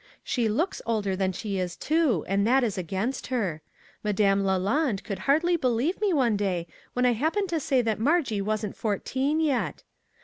She looks older than she is, too ; and that is against her. Ma dame LaLande could hardly believe me one day when I happened to say that Margie wasn't fourteen yet.